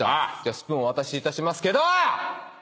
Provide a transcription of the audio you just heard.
スプーンお渡しいたしますけど！